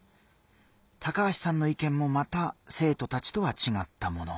高橋さんの意見もまた生徒たちとは違ったもの。